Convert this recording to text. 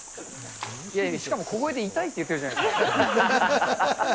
いやいや、しかも小声で痛いって言ってるじゃないですか。